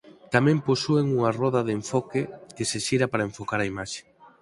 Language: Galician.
Tamén posúen unha roda de enfoque que se xira para enfocar a imaxe.